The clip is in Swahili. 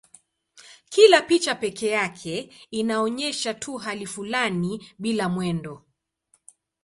Kila picha pekee yake inaonyesha tu hali fulani bila mwendo.